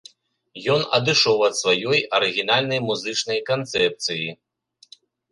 Ён адышоў ад сваёй арыгінальнай музычнай канцэпцыі.